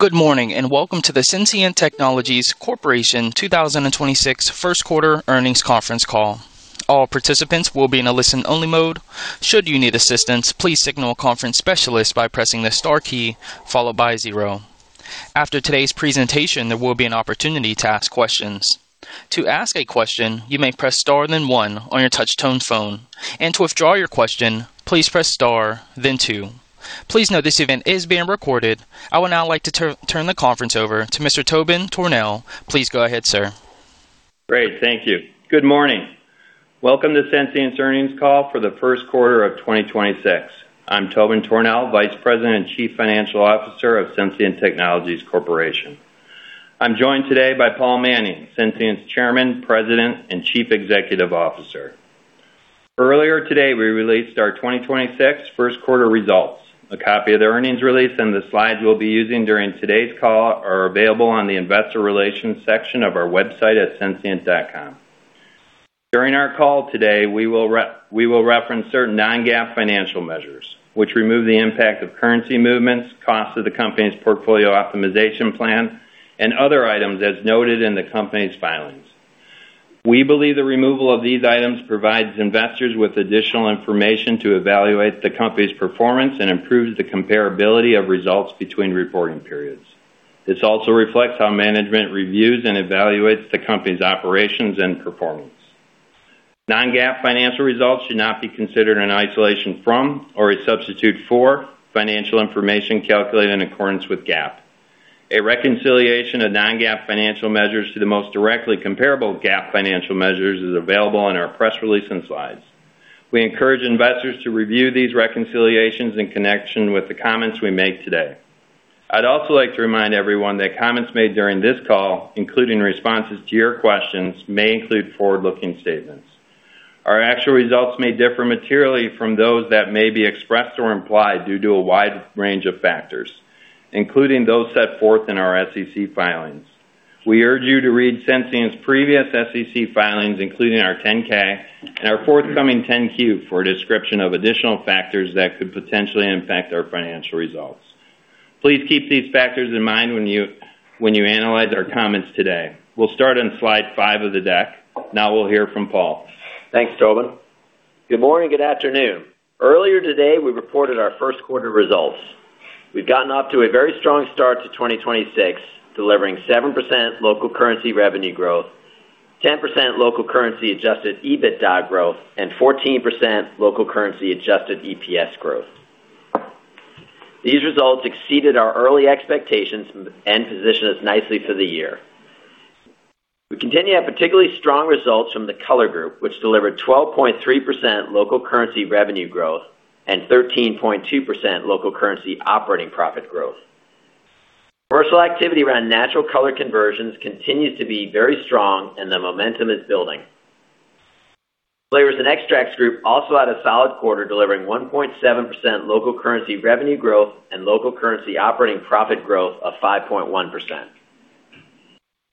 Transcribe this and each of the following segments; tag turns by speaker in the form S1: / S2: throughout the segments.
S1: Good morning, and welcome to the Sensient Technologies Corporation 2026 first quarter earnings conference call. All participants will be in a listen-only mode. Should you need assistance, please signal a conference specialist by pressing the star key followed by zero. After today's presentation, there will be an opportunity to ask questions. To ask a question, you may press star then one on your touch tone phone. To withdraw your question, please press star then two. Please note this event is being recorded. I would now like to turn the conference over to Mr. Tobin Tornehl. Please go ahead, sir.
S2: Great. Thank you. Good morning. Welcome to Sensient's earnings call for the first quarter of 2026. I'm Tobin Tornehl, Vice President and Chief Financial Officer of Sensient Technologies Corporation. I'm joined today by Paul Manning, Sensient's Chairman, President, and Chief Executive Officer. Earlier today, we released our 2026 first quarter results. A copy of the earnings release and the slides we'll be using during today's call are available on the investor relations section of our website at sensient.com. During our call today, we will reference certain non-GAAP financial measures, which remove the impact of currency movements, cost of the company's portfolio optimization plan, and other items as noted in the company's filings. We believe the removal of these items provides investors with additional information to evaluate the company's performance and improves the comparability of results between reporting periods. This also reflects how management reviews and evaluates the company's operations and performance. Non-GAAP financial results should not be considered in isolation from or a substitute for financial information calculated in accordance with GAAP. A reconciliation of non-GAAP financial measures to the most directly comparable GAAP financial measures is available in our press release and slides. We encourage investors to review these reconciliations in connection with the comments we make today. I'd also like to remind everyone that comments made during this call, including responses to your questions, may include forward-looking statements. Our actual results may differ materially from those that may be expressed or implied due to a wide range of factors, including those set forth in our SEC filings. We urge you to read Sensient's previous SEC filings, including our 10-K and our forthcoming 10-Q, for a description of additional factors that could potentially impact our financial results. Please keep these factors in mind when you analyze our comments today. We'll start on slide five of the deck. Now we'll hear from Paul.
S3: Thanks, Tobin. Good morning, good afternoon. Earlier today, we reported our first quarter results. We've gotten off to a very strong start to 2026, delivering 7% local currency revenue growth, 10% local currency adjusted EBITDA growth, and 14% local currency adjusted EPS growth. These results exceeded our early expectations and position us nicely for the year. We continue to have particularly strong results from the Color Group, which delivered 12.3% local currency revenue growth and 13.2% local currency operating profit growth. Commercial activity around natural color conversions continues to be very strong and the momentum is building. Flavors & Extracts Group also had a solid quarter, delivering 1.7% local currency revenue growth and local currency operating profit growth of 5.1%.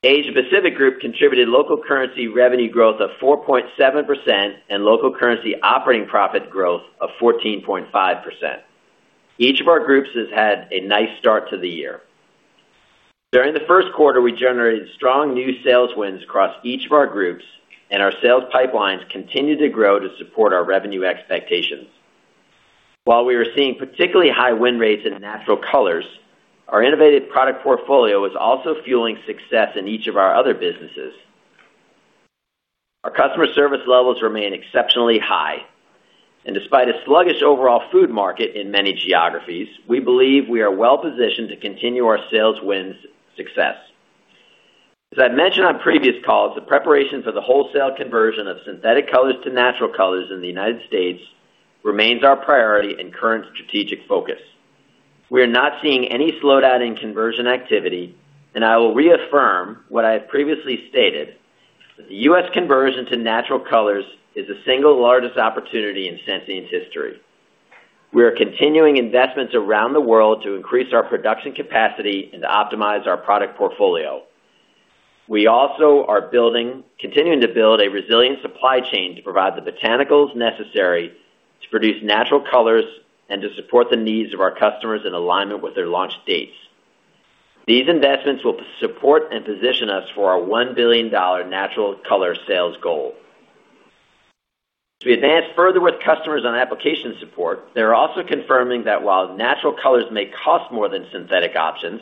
S3: Asia Pacific Group contributed local currency revenue growth of 4.7% and local currency operating profit growth of 14.5%. Each of our groups has had a nice start to the year. During the first quarter, we generated strong new sales wins across each of our groups, and our sales pipelines continue to grow to support our revenue expectations. While we are seeing particularly high win rates in natural colors, our innovative product portfolio is also fueling success in each of our other businesses. Our customer service levels remain exceptionally high, and despite a sluggish overall food market in many geographies, we believe we are well positioned to continue our sales wins success. As I've mentioned on previous calls, the preparation for the wholesale conversion of synthetic colors to natural colors in the United States remains our priority and current strategic focus. We are not seeing any slowdown in conversion activity, and I will reaffirm what I have previously stated, that the U.S. conversion to natural colors is the single largest opportunity in Sensient's history. We are continuing investments around the world to increase our production capacity and to optimize our product portfolio. We also are continuing to build a resilient supply chain to provide the botanicals necessary to produce natural colors and to support the needs of our customers in alignment with their launch dates. These investments will support and position us for our $1 billion natural color sales goal. As we advance further with customers on application support, they're also confirming that while natural colors may cost more than synthetic options,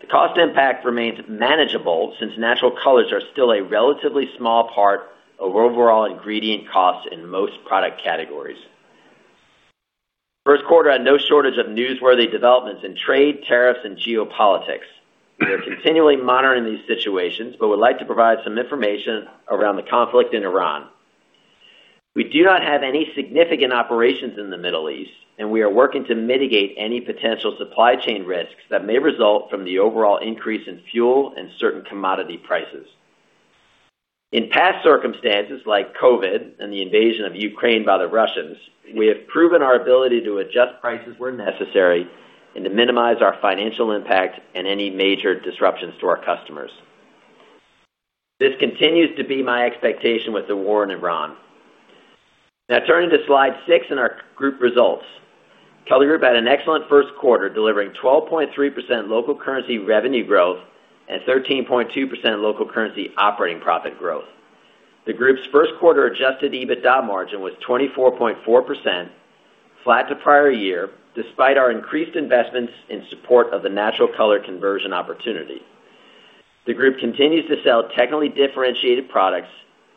S3: the cost impact remains manageable since natural colors are still a relatively small part of overall ingredient costs in most product categories. First quarter had no shortage of newsworthy developments in trade, tariffs, and geopolitics. We are continually monitoring these situations, but would like to provide some information around the conflict in Iran. We do not have any significant operations in the Middle East, and we are working to mitigate any potential supply chain risks that may result from the overall increase in fuel and certain commodity prices. In past circumstances like COVID and the invasion of Ukraine by the Russians, we have proven our ability to adjust prices where necessary and to minimize our financial impact and any major disruptions to our customers. This continues to be my expectation with the war in Iran. Now turning to slide six in our group results. Color Group had an excellent first quarter, delivering 12.3% local currency revenue growth and 13.2% local currency operating profit growth. The group's first quarter adjusted EBITDA margin was 24.4%, flat to prior year, despite our increased investments in support of the natural color conversion opportunity. The group continues to sell technically differentiated products,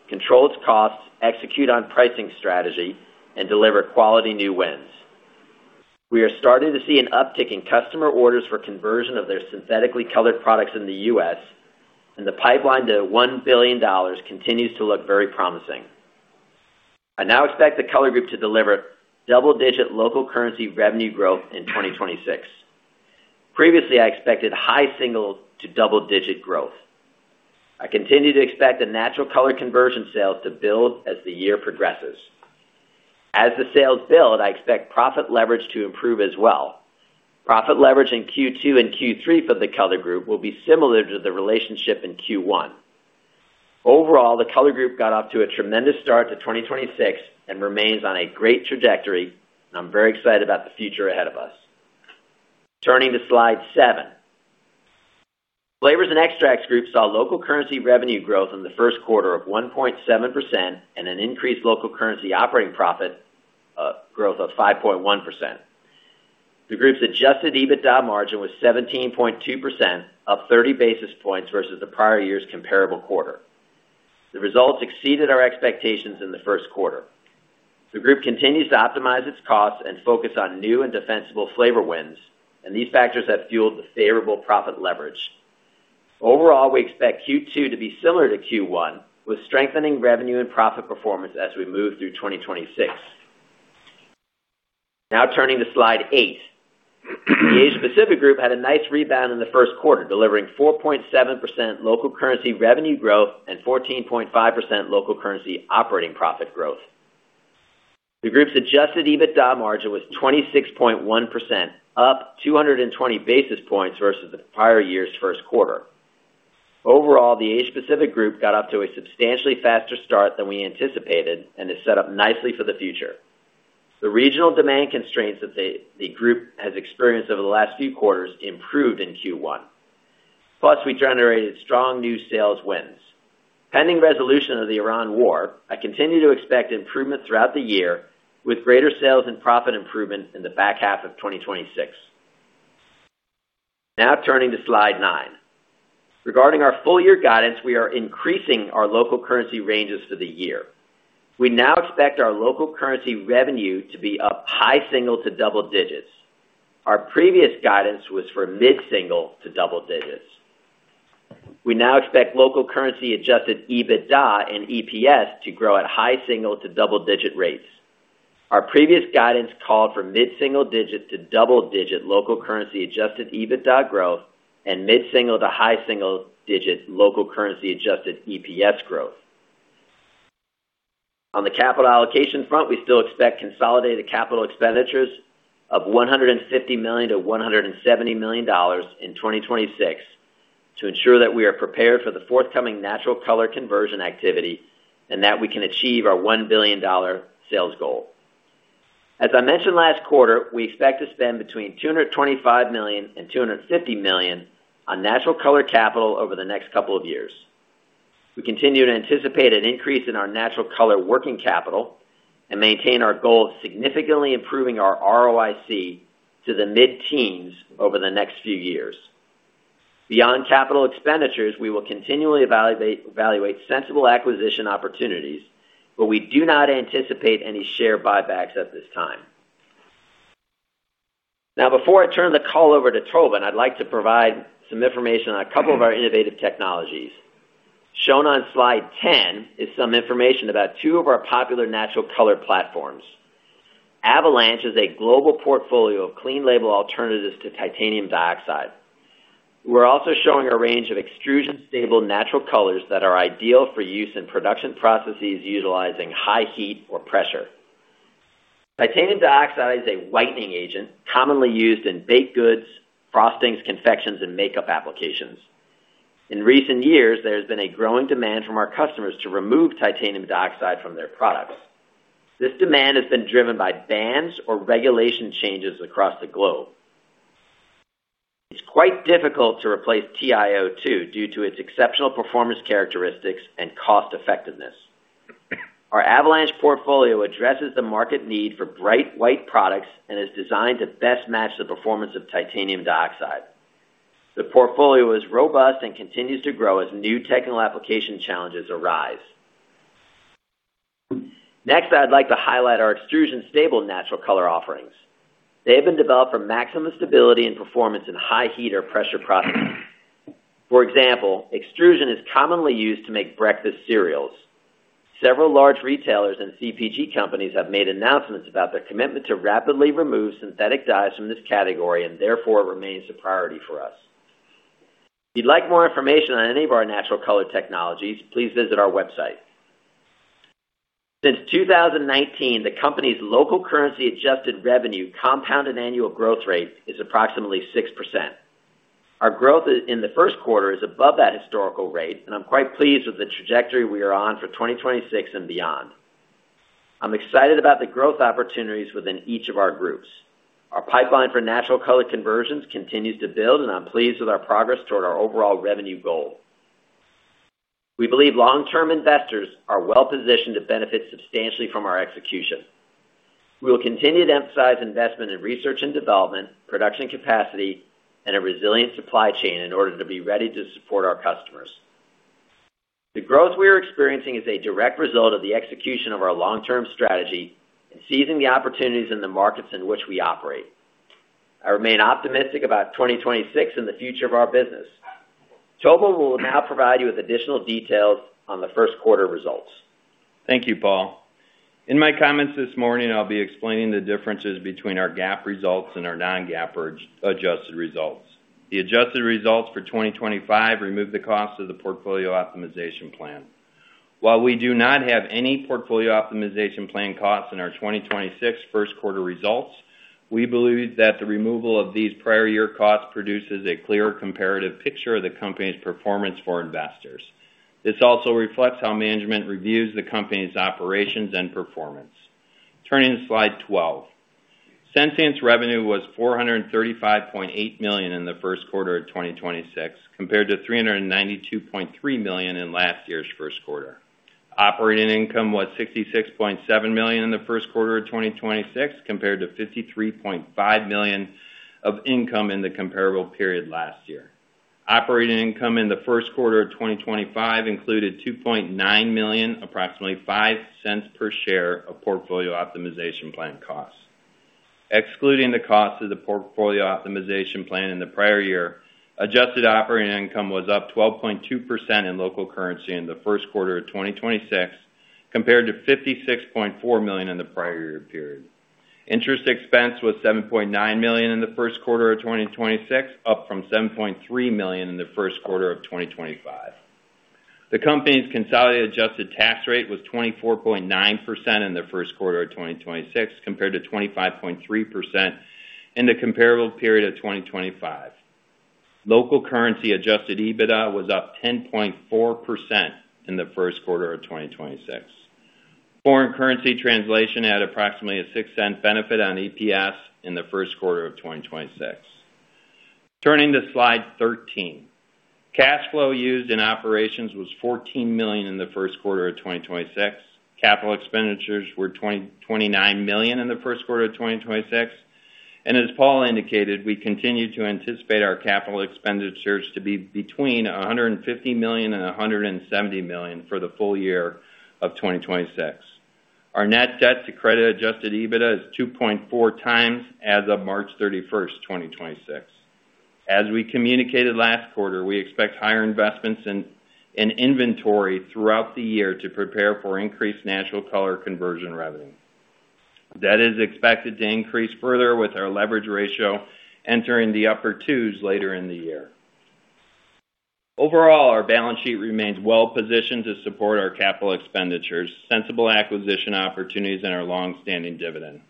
S3: control its costs, execute on pricing strategy, and deliver quality new wins. We are starting to see an uptick in customer orders for conversion of their synthetically colored products in the U.S., and the pipeline to $1 billion continues to look very promising. I now expect the Color Group to deliver double-digit local currency revenue growth in 2026. Previously, I expected high single to double-digit growth. I continue to expect the natural color conversion sales to build as the year progresses. As the sales build, I expect profit leverage to improve as well. Profit leverage in Q2 and Q3 for the Color Group will be similar to the relationship in Q1. Overall, the Color Group got off to a tremendous start to 2026 and remains on a great trajectory, and I'm very excited about the future ahead of us. Turning to slide seven. Flavors & Extracts Group saw local currency revenue growth in the first quarter of 1.7% and an increased local currency operating profit growth of 5.1%. The group's adjusted EBITDA margin was 17.2%, up 30 basis points versus the prior year's comparable quarter. The results exceeded our expectations in the first quarter. The group continues to optimize its costs and focus on new and defensible flavor wins, and these factors have fueled the favorable profit leverage. Overall, we expect Q2 to be similar to Q1, with strengthening revenue and profit performance as we move through 2026. Now turning to slide eight. The Asia Pacific Group had a nice rebound in the first quarter, delivering 4.7% local currency revenue growth and 14.5% local currency operating profit growth. The group's adjusted EBITDA margin was 26.1%, up 220 basis points versus the prior year's first quarter. Overall, the Asia Pacific Group got off to a substantially faster start than we anticipated and is set up nicely for the future. The regional demand constraints that the group has experienced over the last few quarters improved in Q1. Plus, we generated strong new sales wins. Pending resolution of the Iran war, I continue to expect improvement throughout the year, with greater sales and profit improvement in the back half of 2026. Now turning to slide nine. Regarding our full year guidance, we are increasing our local currency ranges for the year. We now expect our local currency revenue to be up high single to double digits. Our previous guidance was for mid-single to double digits. We now expect local currency adjusted EBITDA and EPS to grow at high single to double-digit rates. Our previous guidance called for mid-single digit to double-digit local currency adjusted EBITDA growth and mid-single to high single-digit local currency adjusted EPS growth. On the capital allocation front, we still expect consolidated capital expenditures of $150 million-$170 million in 2026 to ensure that we are prepared for the forthcoming natural color conversion activity and that we can achieve our $1 billion sales goal. As I mentioned last quarter, we expect to spend between $225 million and $250 million on natural color capital over the next couple of years. We continue to anticipate an increase in our natural color working capital and maintain our goal of significantly improving our ROIC to the mid-teens over the next few years. Beyond capital expenditures, we will continually evaluate sensible acquisition opportunities, but we do not anticipate any share buybacks at this time. Now, before I turn the call over to Tobin, I'd like to provide some information on a couple of our innovative technologies. Shown on slide 10 is some information about two of our popular natural color platforms. Avalanche is a global portfolio of clean label alternatives to titanium dioxide. We're also showing a range of extrusion-stable natural colors that are ideal for use in production processes utilizing high heat or pressure. Titanium dioxide is a whitening agent commonly used in baked goods, frostings, confections, and makeup applications. In recent years, there has been a growing demand from our customers to remove titanium dioxide from their products. This demand has been driven by bans or regulation changes across the globe. It's quite difficult to replace TiO2 due to its exceptional performance characteristics and cost effectiveness. Our Avalanche portfolio addresses the market need for bright white products and is designed to best match the performance of titanium dioxide. The portfolio is robust and continues to grow as new technical application challenges arise. Next, I'd like to highlight our extrusion-stable natural color offerings. They have been developed for maximum stability and performance in high heat or pressure processes. For example, extrusion is commonly used to make breakfast cereals. Several large retailers and CPG companies have made announcements about their commitment to rapidly remove synthetic dyes from this category and therefore remains a priority for us. If you'd like more information on any of our natural color technologies, please visit our website. Since 2019, the company's local currency adjusted revenue compounded annual growth rate is approximately 6%. Our growth in the first quarter is above that historical rate, and I'm quite pleased with the trajectory we are on for 2026 and beyond. I'm excited about the growth opportunities within each of our groups. Our pipeline for natural color conversions continues to build, and I'm pleased with our progress toward our overall revenue goal. We believe long-term investors are well-positioned to benefit substantially from our execution. We will continue to emphasize investment in research and development, production capacity, and a resilient supply chain in order to be ready to support our customers. The growth we are experiencing is a direct result of the execution of our long-term strategy and seizing the opportunities in the markets in which we operate. I remain optimistic about 2026 and the future of our business. Tobin will now provide you with additional details on the first quarter results.
S2: Thank you, Paul. In my comments this morning, I'll be explaining the differences between our GAAP results and our non-GAAP adjusted results. The adjusted results for 2025 remove the cost of the portfolio optimization plan. While we do not have any portfolio optimization plan costs in our 2026 first quarter results, we believe that the removal of these prior year costs produces a clearer comparative picture of the company's performance for investors. This also reflects how management reviews the company's operations and performance. Turning to slide 12. Sensient's revenue was $435.8 million in the first quarter of 2026, compared to $392.3 million in last year's first quarter. Operating income was $66.7 million in the first quarter of 2026, compared to $53.5 million of income in the comparable period last year. Operating income in the first quarter of 2025 included $2.9 million, approximately $0.05 per share of portfolio optimization plan costs. Excluding the cost of the portfolio optimization plan in the prior year, adjusted operating income was up 12.2% in local currency in the first quarter of 2026, compared to $56.4 million in the prior year period. Interest expense was $7.9 million in the first quarter of 2026, up from $7.3 million in the first quarter of 2025. The company's consolidated adjusted tax rate was 24.9% in the first quarter of 2026, compared to 25.3% in the comparable period of 2025. Local currency adjusted EBITDA was up 10.4% in the first quarter of 2026. Foreign currency translation had approximately a $0.06 benefit on EPS in the first quarter of 2026. Turning to slide 13. Cash flow used in operations was $14 million in the first quarter of 2026. Capital expenditures were $29 million in the first quarter of 2026. As Paul indicated, we continue to anticipate our capital expenditures to be between $150 million and $170 million for the full year of 2026. Our net debt to credit-adjusted EBITDA is 2.4 times as of March 31st, 2026. As we communicated last quarter, we expect higher investments in inventory throughout the year to prepare for increased natural color conversion revenue. That is expected to increase further with our leverage ratio entering the upper twos later in the year. Overall, our balance sheet remains well positioned to support our capital expenditures, sensible acquisition opportunities, and our long-standing dividend.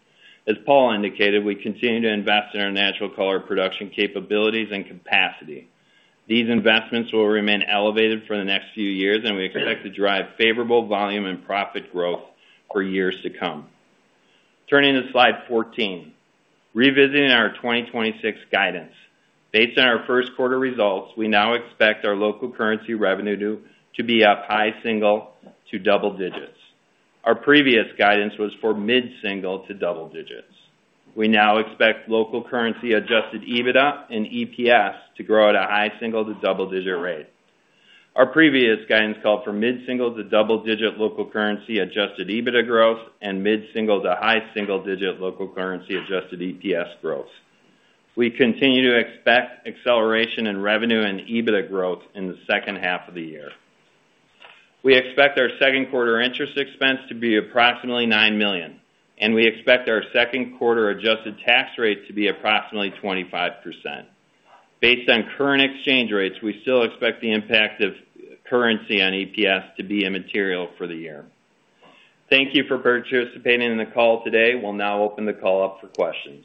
S2: As Paul indicated, we continue to invest in our natural color production capabilities and capacity. These investments will remain elevated for the next few years, and we expect to drive favorable volume and profit growth for years to come. Turning to slide 14. Revisiting our 2026 guidance. Based on our first quarter results, we now expect our local currency revenue to be up high-single-digit to double-digit. Our previous guidance was for mid-single-digit to double-digit. We now expect local currency adjusted EBITDA and EPS to grow at a high-single-digit to double-digit rate. Our previous guidance called for mid-single-digit to double-digit local currency adjusted EBITDA growth and mid-single-digit to high-single-digit local currency adjusted EPS growth. We continue to expect acceleration in revenue and EBITDA growth in the second half of the year. We expect our second quarter interest expense to be approximately $9 million, and we expect our second quarter adjusted tax rate to be approximately 25%. Based on current exchange rates, we still expect the impact of currency on EPS to be immaterial for the year. Thank you for participating in the call today. We'll now open the call up for questions.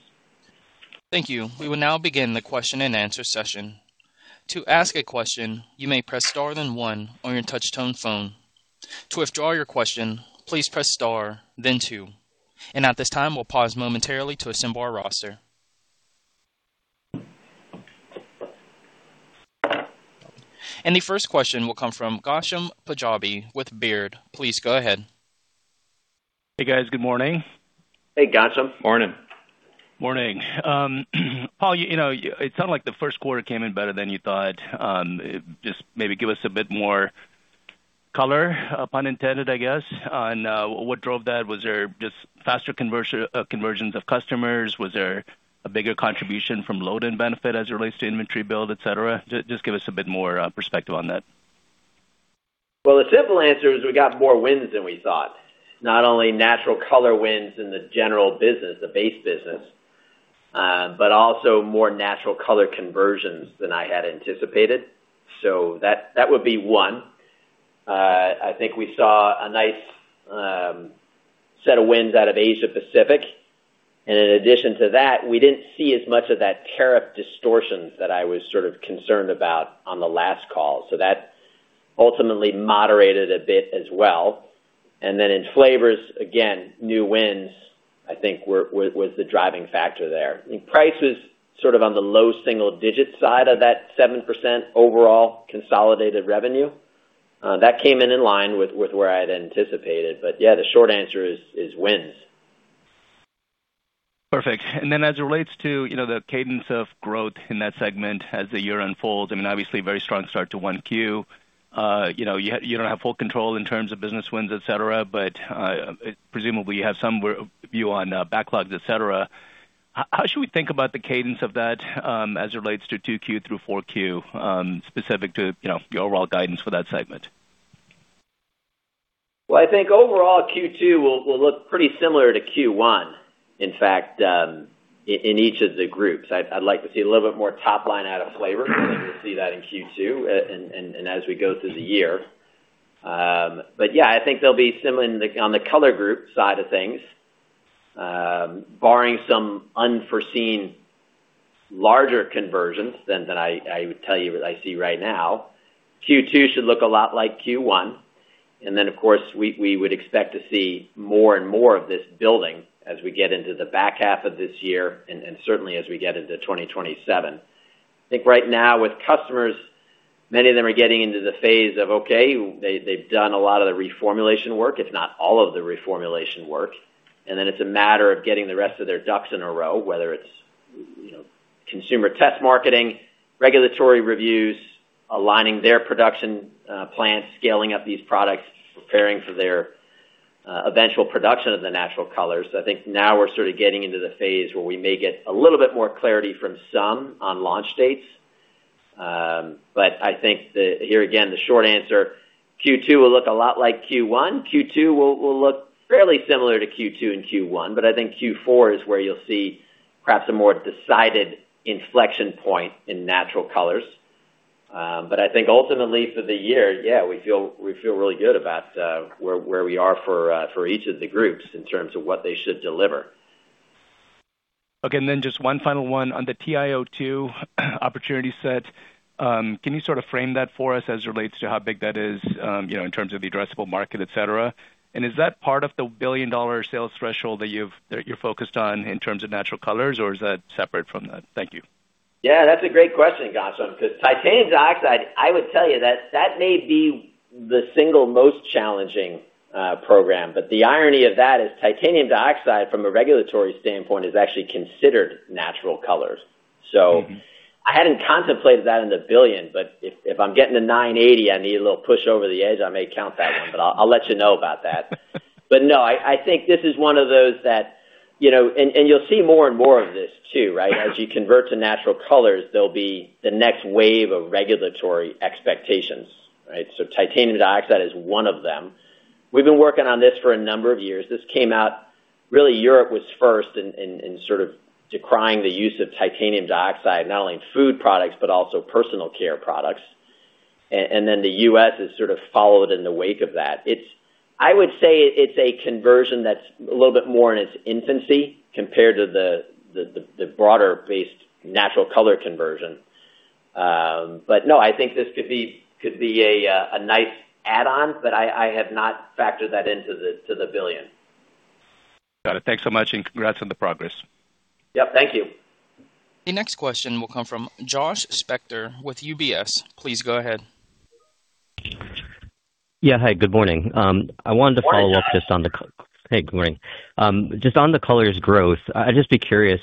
S1: Thank you. We will now begin the question and answer session. To ask a question, you may press star then one on your touch tone phone. To withdraw your question, please press star then two. At this time, we'll pause momentarily to assemble our roster. The first question will come from Ghansham Panjabi with Baird. Please go ahead.
S4: Hey, guys. Good morning.
S3: Hey, Ghansham. Morning.
S4: Morning. Paul, it sounded like the first quarter came in better than you thought. Just maybe give us a bit more color, pun intended, I guess, on what drove that. Was there just faster conversions of customers? Was there a bigger contribution from load and benefit as it relates to inventory build, et cetera? Just give us a bit more perspective on that.
S3: Well, the simple answer is we got more wins than we thought. Not only natural colors wins in the general business, the base business. Also more natural color conversions than I had anticipated. That would be one. I think we saw a nice set of wins out of Asia Pacific, and in addition to that, we didn't see as much of that tariff distortions that I was sort of concerned about on the last call. That ultimately moderated a bit as well. Then in flavors, again, new wins, I think was the driving factor there. Price was sort of on the low single-digit side of that 7% overall consolidated revenue. That came in in line with where I'd anticipated. Yeah, the short answer is wins.
S4: Perfect. As it relates to the cadence of growth in that segment as the year unfolds, I mean, obviously very strong start to 1Q. You don't have full control in terms of business wins, et cetera, et cetera. How should we think about the cadence of that as it relates to 2Q through 4Q, specific to your overall guidance for that segment?
S3: Well, I think overall Q2 will look pretty similar to Q1. In fact, in each of the groups, I'd like to see a little bit more top line out of flavor. I think you'll see that in Q2 and as we go through the year. Yeah, I think they'll be similar on the Color Group side of things, barring some unforeseen larger conversions than I would tell you I see right now. Q2 should look a lot like Q1, and then, of course, we would expect to see more and more of this building as we get into the back half of this year, and certainly as we get into 2027. I think right now with customers, many of them are getting into the phase of, okay, they've done a lot of the reformulation work, if not all of the reformulation work, and then it's a matter of getting the rest of their ducks in a row, whether it's consumer test marketing, regulatory reviews, aligning their production plants, scaling up these products, preparing for their eventual production of the natural colors. I think now we're sort of getting into the phase where we may get a little bit more clarity from some on launch dates. I think that here again, the short answer, Q2 will look a lot like Q1. Q2 will look fairly similar to Q2 and Q1, but I think Q4 is where you'll see perhaps a more decided inflection point in natural colors. I think ultimately for the year, yeah, we feel really good about where we are for each of the groups in terms of what they should deliver.
S4: Okay, then just one final one. On the TiO2 opportunity set, can you sort of frame that for us as it relates to how big that is in terms of the addressable market, et cetera? Is that part of the billion-dollar sales threshold that you're focused on in terms of natural colors, or is that separate from that? Thank you.
S3: Yeah, that's a great question, Ghansham, because titanium dioxide, I would tell you that may be the single most challenging program. The irony of that is titanium dioxide from a regulatory standpoint is actually considered natural colors. I hadn't contemplated that in the billion, but if I'm getting to 980, I need a little push over the edge. I may count that one, but I'll let you know about that. No, I think this is one of those that you'll see more and more of this too, right? As you convert to natural colors, there'll be the next wave of regulatory expectations, right? Titanium dioxide is one of them. We've been working on this for a number of years. This came out. Really Europe was first in sort of decrying the use of titanium dioxide, not only in food products but also personal care products. The U.S. has sort of followed in the wake of that. I would say it's a conversion that's a little bit more in its infancy compared to the broader-based natural color conversion. No, I think this could be a nice add-on, but I have not factored that into the billion.
S4: Got it. Thanks so much and congrats on the progress.
S3: Yep, thank you.
S1: The next question will come from Josh Spector with UBS. Please go ahead.
S5: Hey, good morning. Just on the colors growth, I'd just be curious,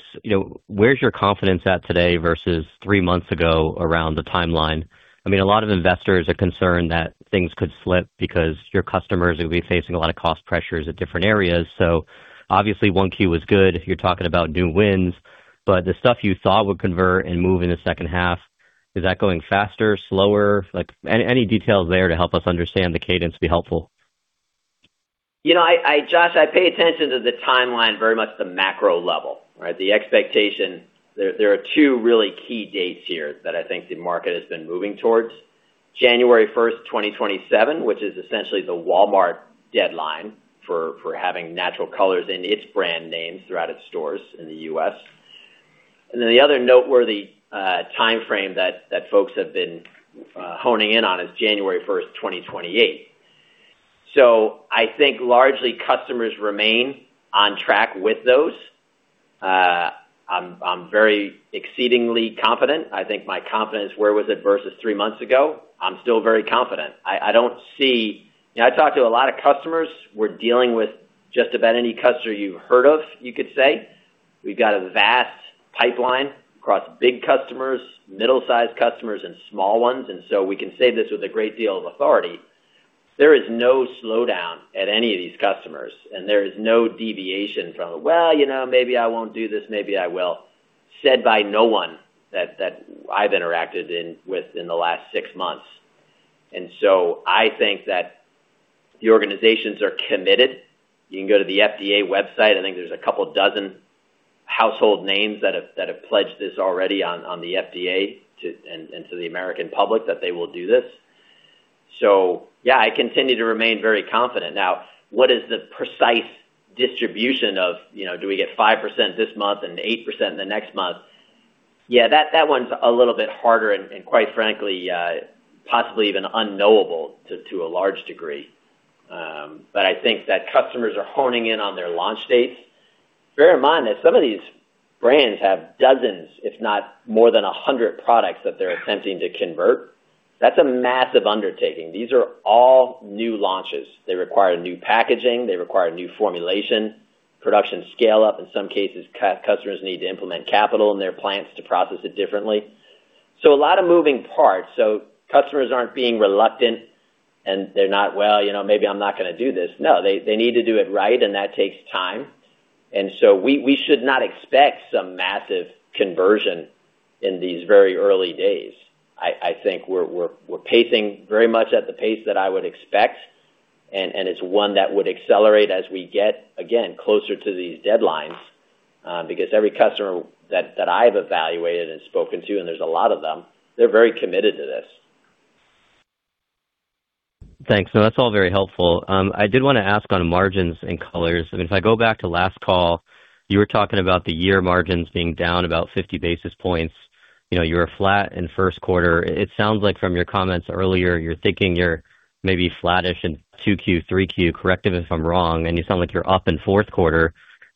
S5: where's your confidence at today versus three months ago around the timeline? I mean, a lot of investors are concerned that things could slip because your customers will be facing a lot of cost pressures at different areas. Obviously, 1Q was good. You're talking about new wins, but the stuff you thought would convert and move in the second half, is that going faster? Slower? Any details there to help us understand the cadence will be helpful.
S3: Josh, I pay attention to the timeline very much at the macro level, right? There are two really key dates here that I think the market has been moving towards. January 1st, 2027, which is essentially the Walmart deadline for having natural colors in its brand names throughout its stores in the U.S. Then the other noteworthy timeframe that folks have been honing in on is January 1st, 2028. I think largely customers remain on track with those. I'm very exceedingly confident. I think my confidence where was it versus three months ago, I'm still very confident. I talk to a lot of customers. We're dealing with just about any customer you've heard of, you could say. We've got a vast pipeline across big customers, middle-sized customers, and small ones. We can say this with a great deal of authority. There is no slowdown at any of these customers, and there is no deviation from, "Well, maybe I won't do this, maybe I will, "said by no one that I've interacted with in the last six months. I think the organizations are committed. You can go to the FDA website. I think there's a couple dozen household names that have pledged this already on the FDA and to the American public that they will do this. Yeah, I continue to remain very confident. Now, what is the precise distribution of, do we get 5% this month and 8% in the next month? Yeah, that one's a little bit harder and quite frankly, possibly even unknowable to a large degree. I think that customers are honing in on their launch dates. Bear in mind that some of these brands have dozens, if not more than 100 products that they're attempting to convert. That's a massive undertaking. These are all new launches. They require new packaging, they require new formulation, production scale up. In some cases, customers need to implement capital in their plants to process it differently. A lot of moving parts. Customers aren't being reluctant, and they're not "Well, maybe I'm not going to do this." No, they need to do it right, and that takes time. We should not expect some massive conversion in these very early days. I think we're pacing very much at the pace that I would expect, and it's one that would accelerate as we get, again, closer to these deadlines. Because every customer that I've evaluated and spoken to, and there's a lot of them, they're very committed to this.
S5: Thanks. No, that's all very helpful. I did want to ask on margins and colors. If I go back to last call, you were talking about the year margins being down about 50 basis points. You were flat in first quarter. It sounds like from your comments earlier, you're thinking you're maybe flattish in 2Q, 3Q. Correct me if I'm wrong, and you sound like you're up in fourth quarter.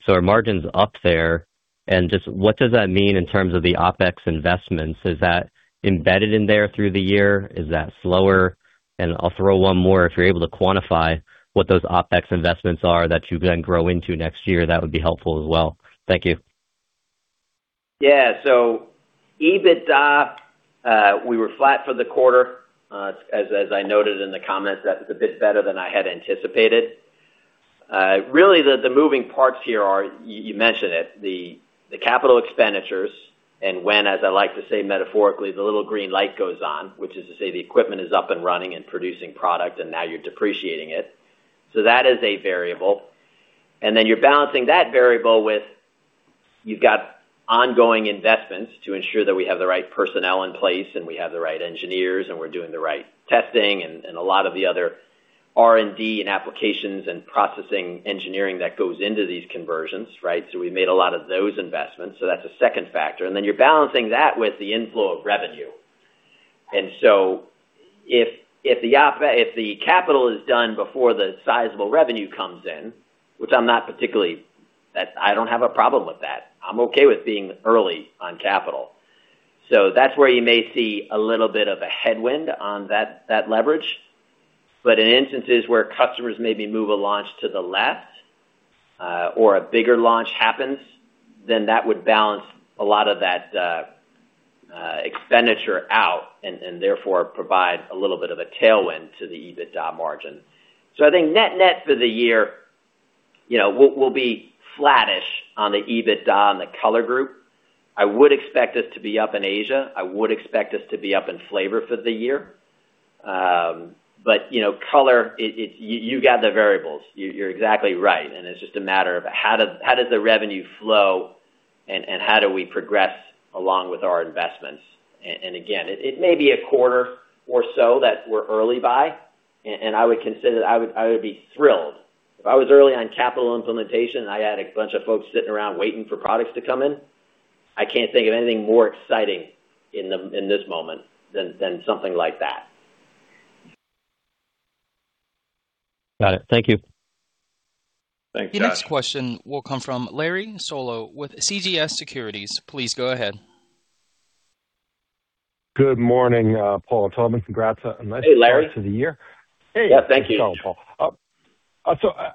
S5: Are margins up there, and just what does that mean in terms of the OpEx investments? Is that embedded in there through the year? Is that slower? I'll throw one more. If you're able to quantify what those OpEx investments are that you then grow into next year, that would be helpful as well. Thank you.
S3: Yeah. EBITDA, we were flat for the quarter. As I noted in the comments, that was a bit better than I had anticipated. Really, the moving parts here are, you mentioned it, the capital expenditures and when, as I like to say metaphorically, the little green light goes on, which is to say the equipment is up and running and producing product and now you're depreciating it. That is a variable. Then you're balancing that variable with ongoing investments to ensure that we have the right personnel in place and we have the right engineers, and we're doing the right testing and a lot of the other R&D and applications and processing engineering that goes into these conversions, right? We made a lot of those investments. That's a second factor. Then you're balancing that with the inflow of revenue. If the capital is done before the sizable revenue comes in, which I'm not particularly. I don't have a problem with that. I'm okay with being early on capital. That's where you may see a little bit of a headwind on that leverage. In instances where customers maybe move a launch to the left or a bigger launch happens, then that would balance a lot of that expenditure out and therefore provide a little bit of a tailwind to the EBITDA margin. I think net net for the year will be flattish on the EBITDA in the Color Group. I would expect us to be up in Asia. I would expect us to be up in flavor for the year. Color, you got the variables. You're exactly right. It's just a matter of how does the revenue flow and how do we progress along with our investments? Again, it may be a quarter or so that we're early by, and I would be thrilled. If I was early on capital implementation, and I had a bunch of folks sitting around waiting for products to come in, I can't think of anything more exciting in this moment than something like that.
S5: Got it. Thank you.
S3: Thanks, Josh.
S1: The next question will come from Larry Solow with CJS Securities. Please go ahead.
S6: Good morning, Paul. Tornehl. Congrats on a nice start to the year.
S3: Hey, Larry. Yeah, thank you.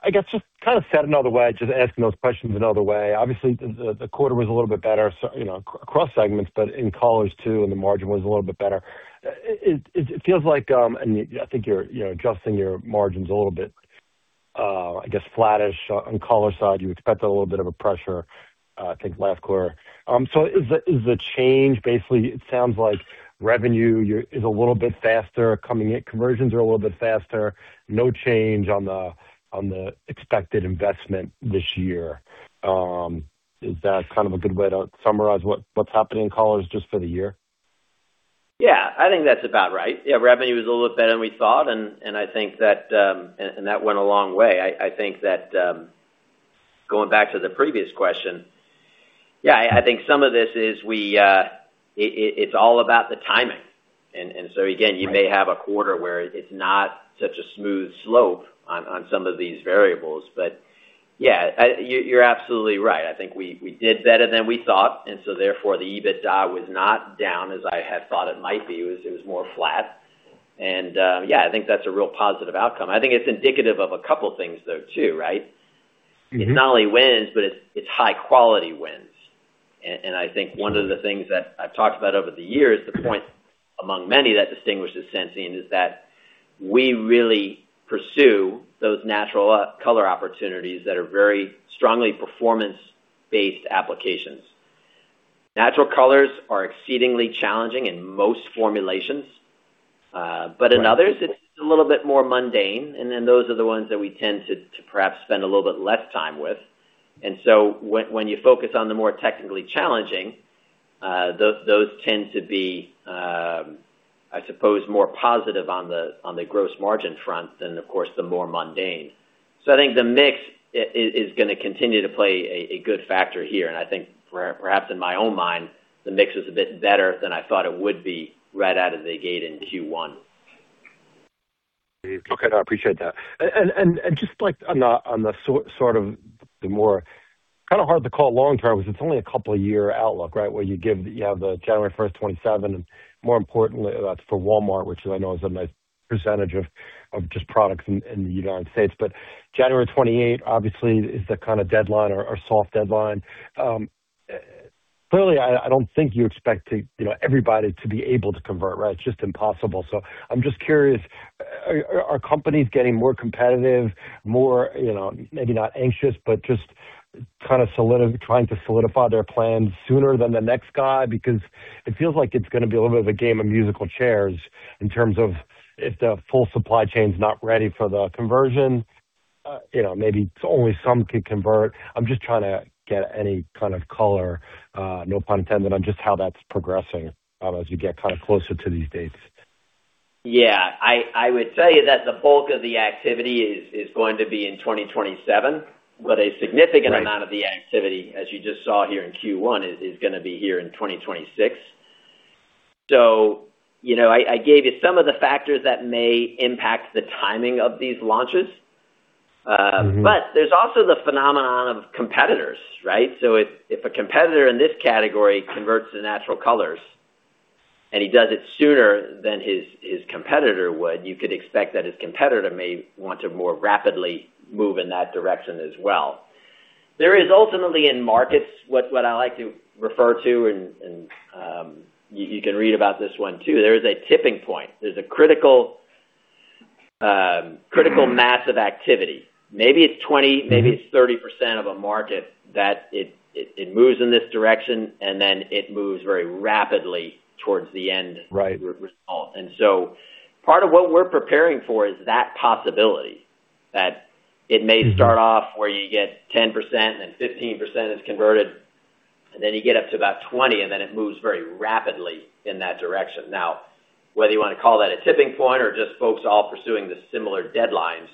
S6: I guess just kind of said another way, just asking those questions another way. Obviously, the quarter was a little bit better across segments, but in colors, too, and the margin was a little bit better. It feels like, and I think you're adjusting your margins a little bit, I guess, flattish on color side. You expected a little bit of a pressure, I think, last quarter. Is the change basically it sounds like revenue is a little bit faster coming in, conversions are a little bit faster. No change on the expected investment this year. Is that kind of a good way to summarize what's happening in colors just for the year?
S3: Yeah, I think that's about right. Yeah, revenue was a little bit better than we thought, and I think that went a long way. I think that going back to the previous question, yeah, I think some of this is, it's all about the timing. Again, you may have a quarter where it's not such a smooth slope on some of these variables. Yeah, you're absolutely right. I think we did better than we thought, and so therefore the EBITDA was not down as I had thought it might be. It was more flat. Yeah, I think that's a real positive outcome. I think it's indicative of a couple things, though, too, right?
S6: Mm-hmm.
S3: It's not only wins, but it's high quality wins. I think one of the things that I've talked about over the years, the point among many that distinguishes Sensient is that we really pursue those natural color opportunities that are very strongly performance-based applications. Natural colors are exceedingly challenging in most formulations. In others, it's a little bit more mundane, and then those are the ones that we tend to perhaps spend a little bit less time with. When you focus on the more technically challenging, those tend to be I suppose, more positive on the gross margin front than, of course, the more mundane. I think the mix is going to continue to play a good factor here, and I think perhaps in my own mind, the mix is a bit better than I thought it would be right out of the gate in Q1.
S6: Okay. Now, I appreciate that. Just on the sort of the more kind of hard to call long term, because it's only a couple of years outlook, right? Where you have the January 1st, 2027, and more importantly, for Walmart, which I know is a nice percentage of just products in the United States. January 2028 obviously is the kind of deadline or soft deadline. Clearly, I don't think you expect everybody to be able to convert, right? It's just impossible. I'm just curious, are companies getting more competitive, more maybe not anxious, but just kind of trying to solidify their plans sooner than the next guy? Because it feels like it's going to be a little bit of a game of musical chairs in terms of if the full supply chain's not ready for the conversion, maybe it's only some could convert. I'm just trying to get any kind of color, no pun intended, on just how that's progressing as we get kind of closer to these dates.
S3: Yeah. I would tell you that the bulk of the activity is going to be in 2027, but a significant amount of the activity, as you just saw here in Q1, is going to be here in 2026. I gave you some of the factors that may impact the timing of these launches.
S6: Mm-hmm.
S3: There's also the phenomenon of competitors, right? If a competitor in this category converts to natural colors and he does it sooner than his competitor would, you could expect that his competitor may want to more rapidly move in that direction as well. There is ultimately in markets, what I like to refer to, and you can read about this one too, there is a tipping point. There's a critical mass of activity. Maybe it's 20%, maybe it's 30% of a market that it moves in this direction, and then it moves very rapidly towards the end result.
S6: Right.
S3: Part of what we're preparing for is that possibility, that it may start off where you get 10% and then 15% is converted, and then you get up to about 20%, and then it moves very rapidly in that direction. Now, whether you want to call that a tipping point or just folks all pursuing the similar deadlines,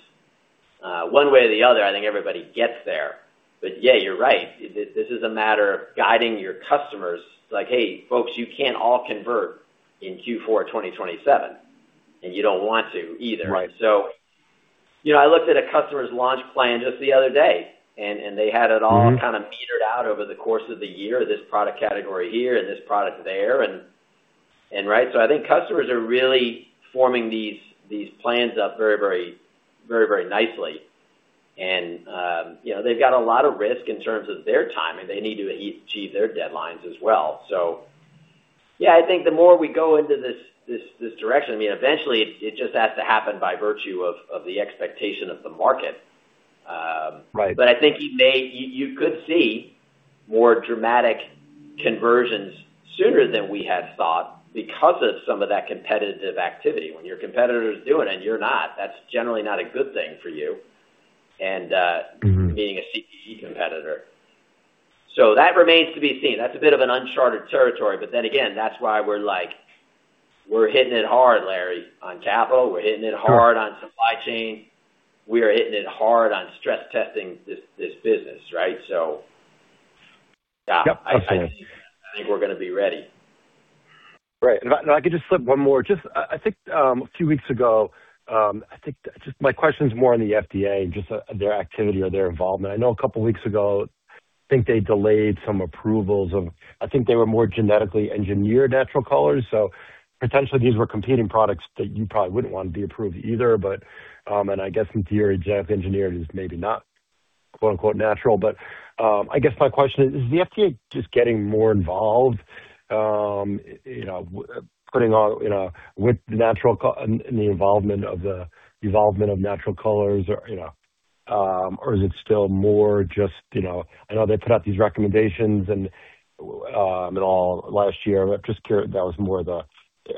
S3: one way or the other, I think everybody gets there. Yeah, you're right. This is a matter of guiding your customers like, "Hey, folks, you can't all convert in Q4 2027, and you don't want to either.
S6: Right.
S3: I looked at a customer's launch plan just the other day, and they had it all kind of metered out over the course of the year, this product category here and this product there. I think customers are really forming these plans up very nicely. They've got a lot of risk in terms of their timing. They need to achieve their deadlines as well. Yeah, I think the more we go into this direction, eventually it just has to happen by virtue of the expectation of the market.
S6: Right.
S3: I think you could see more dramatic conversions sooner than we had thought because of some of that competitive activity. When your competitor is doing it and you're not, that's generally not a good thing for you.
S6: Mm-hmm
S3: Being a CPG competitor. That remains to be seen. That's a bit of an uncharted territory. Then again, that's why we're like, we're hitting it hard, Larry, on capital. We're hitting it hard on supply chain. We are hitting it hard on stress testing this business, right? Yeah.
S6: Yep. Absolutely.
S3: I think we're going to be ready.
S6: Right. If I could just slip one more. Just, I think, a few weeks ago, my question is more on the FDA and just their activity or their involvement. I know a couple of weeks ago, I think they delayed some approvals of, I think, they were more genetically engineered natural colors. So potentially these were competing products that you probably wouldn't want to be approved either. But, and I guess from theory, genetically engineered is maybe not, quote unquote, "natural." But, I guess my question is the FDA just getting more involved with the involvement of the evolvement of natural colors? Or is it still more just. I know they put out these recommendations and all last year.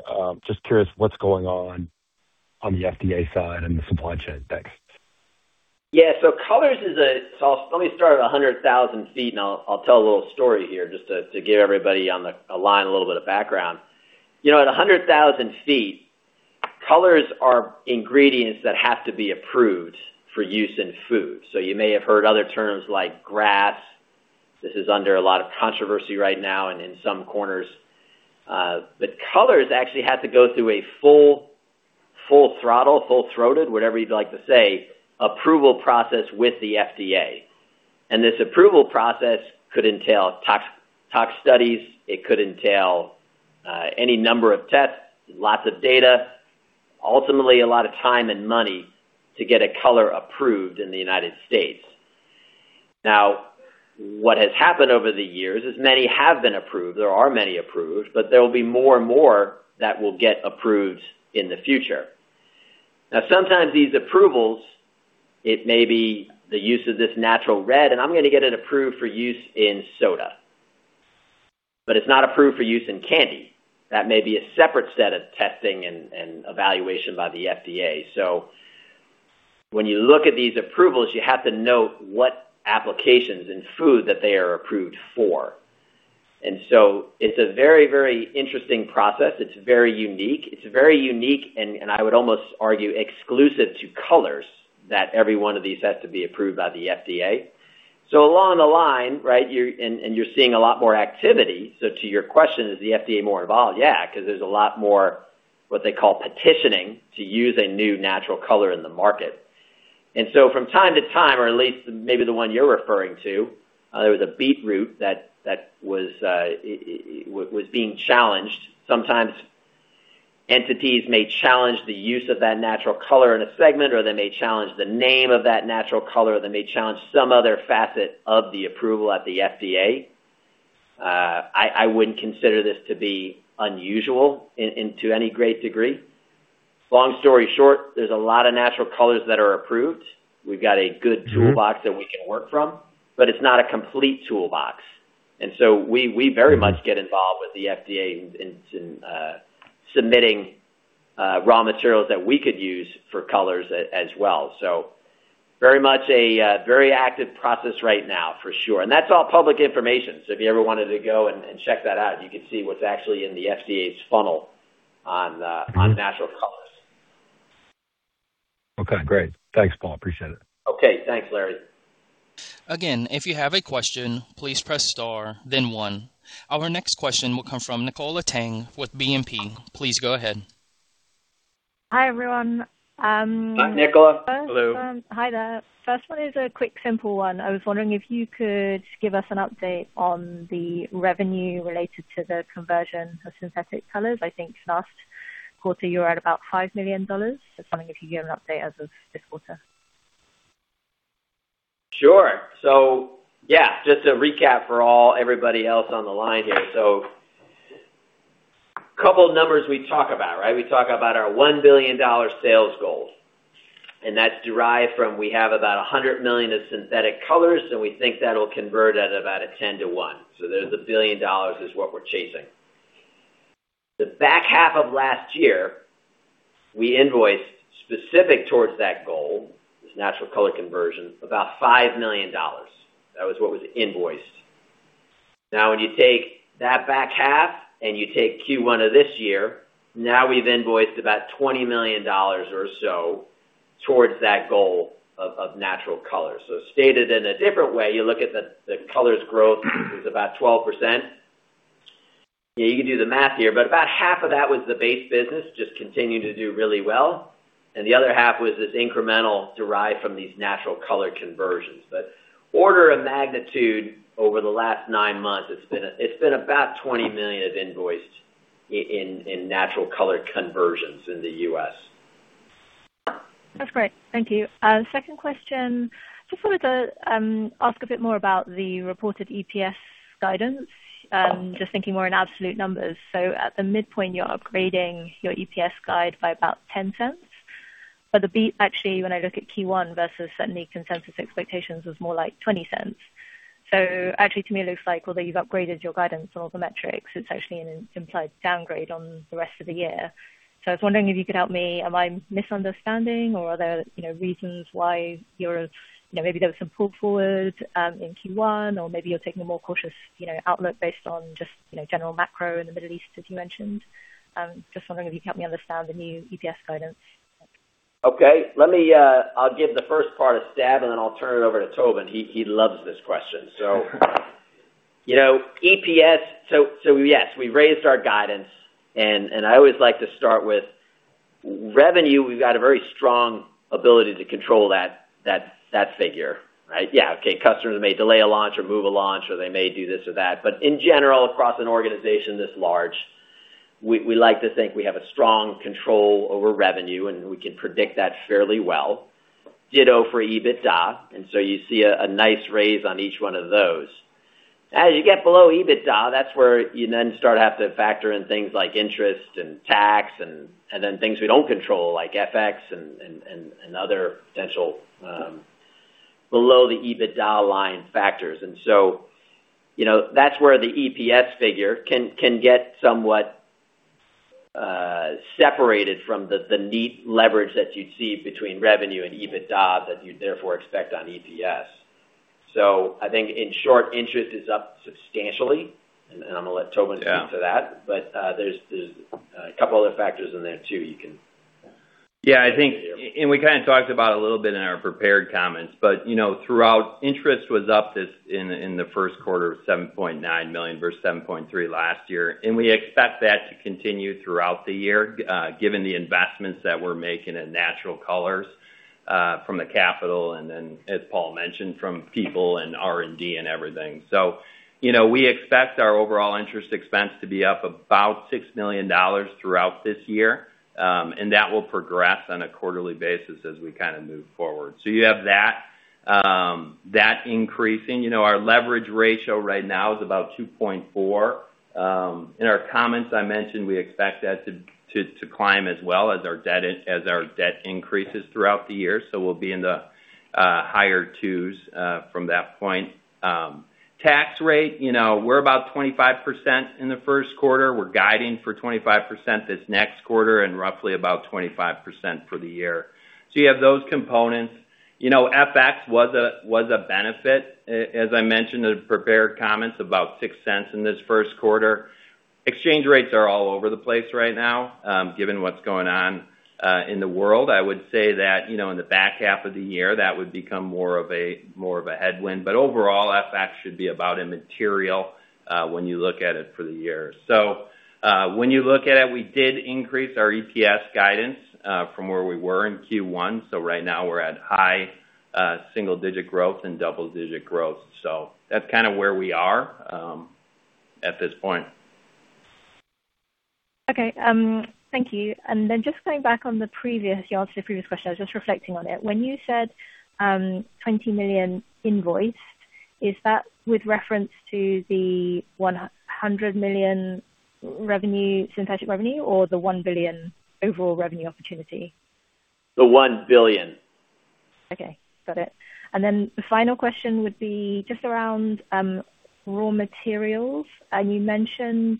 S6: I'm just curious what's going on on the FDA side and the supply chain. Thanks.
S3: Yeah. Let me start at 100,000 ft, and I'll tell a little story here just to give everybody on the line a little bit of background. At 100,000 ft, colors are ingredients that have to be approved for use in food. You may have heard other terms like GRAS. This is under a lot of controversy right now and in some corners. Colors actually have to go through a full throttle, full-throated, whatever you'd like to say, approval process with the FDA. This approval process could entail tox studies, it could entail any number of tests, lots of data, ultimately a lot of time and money to get a color approved in the United States. Now, what has happened over the years is many have been approved. There are many approved, but there will be more and more that will get approved in the future. Now, sometimes these approvals, it may be the use of this natural red, and I'm going to get it approved for use in soda. But it's not approved for use in candy. That may be a separate set of testing and evaluation by the FDA. When you look at these approvals, you have to note what applications and food that they are approved for. It's a very, very interesting process. It's very unique and, I would almost argue, exclusive to colors, that every one of these has to be approved by the FDA. Along the line, and you're seeing a lot more activity, so to your question, is the FDA more involved? Yeah, because there's a lot more, what they call petitioning to use a new natural color in the market. From time to time, or at least maybe the one you're referring to, there was a beetroot that was being challenged. Sometimes entities may challenge the use of that natural color in a segment, or they may challenge the name of that natural color, or they may challenge some other facet of the approval at the FDA. I wouldn't consider this to be unusual to any great degree. Long story short, there's a lot of natural colors that are approved. We've got a good toolbox that we can work from, but it's not a complete toolbox. We very much get involved with the FDA in submitting raw materials that we could use for colors as well. Very much a very active process right now, for sure. That's all public information. If you ever wanted to go and check that out, you could see what's actually in the FDA's funnel on natural colors.
S6: Okay, great. Thanks, Paul. Appreciate it.
S3: Okay. Thanks, Larry.
S1: Again, if you have a question, please press star, then one. Our next question will come from Nicola Tang with BNP. Please go ahead.
S7: Hi, everyone.
S3: Hi, Nicola.
S2: Hello.
S7: Hi there. First one is a quick, simple one. I was wondering if you could give us an update on the revenue related to the conversion of synthetic colors. I think last quarter you were at about $5 million. Just wondering if you could give an update as of this quarter.
S3: Sure. Yeah, just to recap for everybody else on the line here. A couple of numbers we talk about, right? We talk about our $1 billion sales goal, and that's derived from, we have about $100 million of synthetic colors, so we think that'll convert at about a 10-to-one. There's $1 billion is what we're chasing. The back half of last year, we invoiced specifically towards that goal, this natural color conversion, about $5 million. That was what was invoiced. Now, when you take that back half and you take Q1 of this year, now we've invoiced about $20 million or so towards that goal of natural colors. Stated in a different way, you look at the colors growth is about 12%. You can do the math here, but about half of that was the base business, just continuing to do really well, and the other half was this incremental derived from these natural color conversions. Order of magnitude over the last nine months, it's been about $20 million invoiced in natural color conversions in the U.S.
S7: That's great. Thank you. Second question, just wanted to ask a bit more about the reported EPS guidance. Just thinking more in absolute numbers. At the midpoint, you're upgrading your EPS guide by about $0.10. The beat actually, when I look at Q1 versus the consensus expectations, was more like $0.20. Actually, to me, it looks like although you've upgraded your guidance on all the metrics, it's actually an implied downgrade on the rest of the year. I was wondering if you could help me. Am I misunderstanding or are there reasons why maybe there was some pull forward in Q1, or maybe you're taking a more cautious outlook based on just general macro in the Middle East, as you mentioned? Just wondering if you can help me understand the new EPS guidance.
S3: Okay. I'll give the first part a stab, and then I'll turn it over to Tobin. He loves this question. EPS, so yes, we've raised our guidance, and I always like to start with revenue. We've got a very strong ability to control that figure, right? Yeah. Okay. Customers may delay a launch or move a launch, or they may do this or that. In general, across an organization this large, we like to think we have a strong control over revenue, and we can predict that fairly well. Ditto for EBITDA, and so you see a nice raise on each one of those. As you get below EBITDA, that's where you then start to have to factor in things like interest and tax and then things we don't control, like FX and other potential below the EBITDA line factors. That's where the EPS figure can get somewhat separated from the neat leverage that you'd see between revenue and EBITDA that you'd therefore expect on EPS. I think in short, interest is up substantially, and I'm going to let Tobin speak to that. There's a couple other factors in there, too, you can.
S2: Yeah, I think we kind of talked about a little bit in our prepared comments, but throughout, interest was up in the first quarter of $7.9 million versus $7.3 last year. We expect that to continue throughout the year, given the investments that we're making in natural colors from the capital, and then, as Paul mentioned, from people and R&D and everything. We expect our overall interest expense to be up about $6 million throughout this year. That will progress on a quarterly basis as we kind of move forward. You have that increasing. Our leverage ratio right now is about 2.4. In our comments, I mentioned we expect that to climb as well as our debt increases throughout the year. We'll be in the higher 2s from that point. Tax rate, we're about 25% in the first quarter. We're guiding for 25% this next quarter and roughly about 25% for the year. You have those components. FX was a benefit, as I mentioned in the prepared comments, about $0.06 in this first quarter. Exchange rates are all over the place right now, given what's going on in the world. I would say that in the back half of the year, that would become more of a headwind. Overall, FX should be about immaterial when you look at it for the year. When you look at it, we did increase our EPS guidance from where we were in Q1. Right now we're at high single-digit growth and double-digit growth. That's kind of where we are at this point.
S7: Okay. Thank you. Just going back on the previous, your answer to the previous question, I was just reflecting on it. When you said $20 million invoiced, is that with reference to the $100 million synthetic revenue or the $1 billion overall revenue opportunity?
S3: The $1 billion.
S7: Okay, got it. The final question would be just around raw materials. You mentioned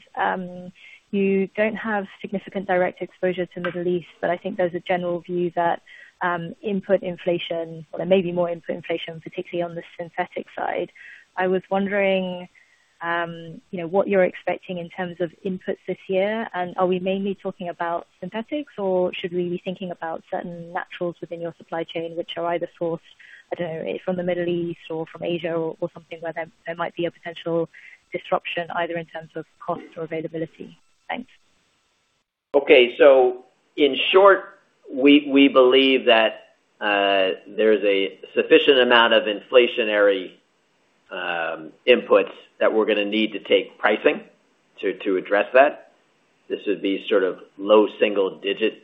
S7: you don't have significant direct exposure to Middle East, but I think there's a general view that input inflation or there may be more input inflation, particularly on the synthetic side. I was wondering what you're expecting in terms of inputs this year, and are we mainly talking about synthetics, or should we be thinking about certain naturals within your supply chain which are either sourced, I don't know, from the Middle East or from Asia or something where there might be a potential disruption, either in terms of cost or availability? Thanks.
S3: Okay. In short, we believe that there's a sufficient amount of inflationary inputs that we're going to need to take pricing to address that. This would be sort of low single digit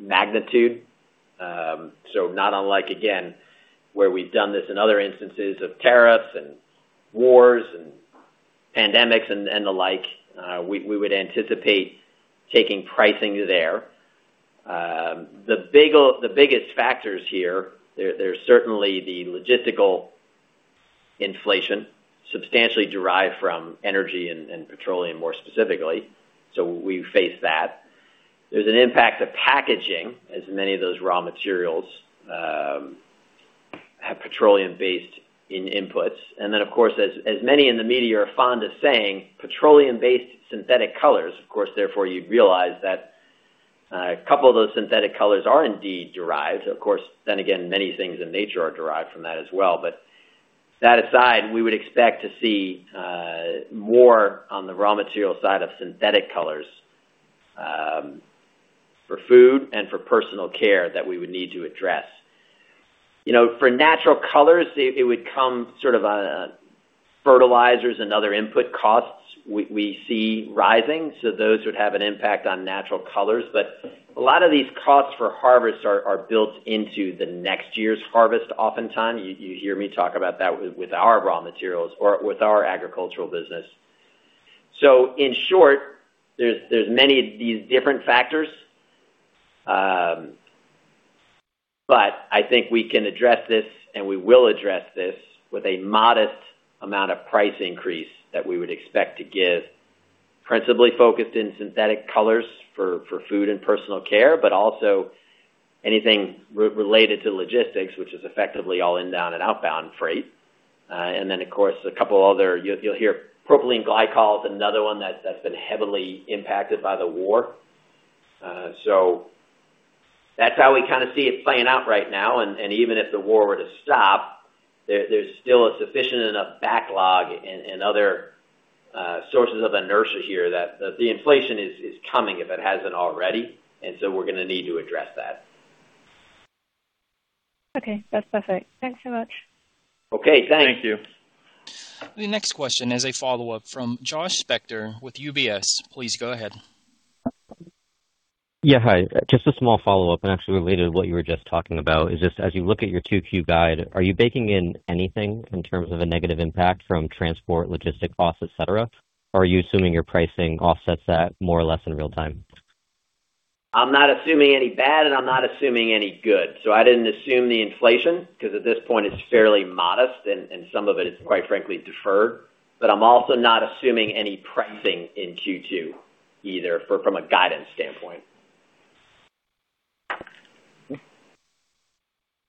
S3: magnitude. Not unlike, again, where we've done this in other instances of tariffs and wars and pandemics and the like. We would anticipate taking pricing there. The biggest factors here, there's certainly the logistical inflation substantially derived from energy and petroleum, more specifically. We face that. There's an impact of packaging as many of those raw materials have petroleum-based in inputs. Then, of course, as many in the media are fond of saying, petroleum-based synthetic colors. Of course, therefore, you'd realize that a couple of those synthetic colors are indeed derived. Of course, then again, many things in nature are derived from that as well. That aside, we would expect to see more on the raw material side of synthetic colors for food and for personal care that we would need to address. For natural colors, it would come sort of fertilizers and other input costs we see rising. Those would have an impact on natural colors. A lot of these costs for harvest are built into the next year's harvest oftentimes. You hear me talk about that with our raw materials or with our agricultural business. In short, there's many of these different factors, but I think we can address this, and we will address this with a modest amount of price increase that we would expect to give, principally focused in synthetic colors for food and personal care, but also anything related to logistics, which is effectively all inbound and outbound freight. Of course, a couple of other, you'll hear propylene glycol is another one that's been heavily impacted by the war. That's how we kind of see it playing out right now. Even if the war were to stop, there's still a sufficient enough backlog and other sources of inertia here that the inflation is coming, if it hasn't already. We're going to need to address that.
S7: Okay. That's perfect. Thanks so much.
S3: Okay, Thank you.
S1: The next question is a follow-up from Josh Spector with UBS. Please go ahead.
S5: Yeah. Hi. Just a small follow-up, and actually related to what you were just talking about, is just as you look at your 2Q guidance, are you baking in anything in terms of a negative impact from transport, logistics costs, et cetera? Or are you assuming your pricing offsets that more or less in real time?
S3: I'm not assuming any bad, and I'm not assuming any good. I didn't assume the inflation, because at this point it's fairly modest, and some of it is, quite frankly, deferred. I'm also not assuming any pricing in Q2 either from a guidance standpoint.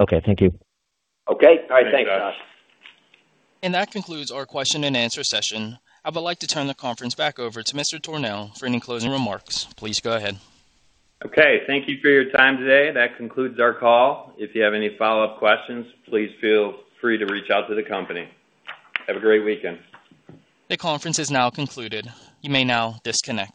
S5: Okay, thank you.
S3: Okay. All right. Thanks, Josh.
S1: That concludes our question and answer session. I would like to turn the conference back over to Mr. Tornehl for any closing remarks. Please go ahead.
S2: Okay. Thank you for your time today. That concludes our call. If you have any follow-up questions, please feel free to reach out to the company. Have a great weekend.
S1: The conference is now concluded. You may now disconnect.